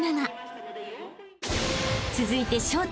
［続いて］